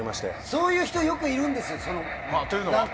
そういう人よくいるんですよ。